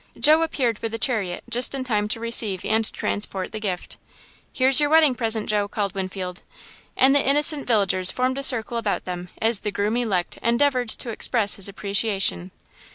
Joe appeared with the chariot just in time to receive and transport the gift. "Here's your wedding present, Joe!" called Winfield, and the innocent villagers formed a circle about them as the groom elect endeavoured to express his appreciation.